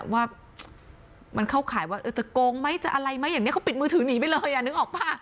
ว่ามันเข้าข่ายว่าจะโกงไหมจะอะไรไหมอย่างนี้เขาปิดมือถือหนีไปเลยอ่ะนึกออกป่ะ